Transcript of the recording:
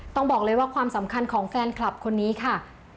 ต้องบอกเลยว่าความสำคัญของแฟนคลับคนนี้ค่ะ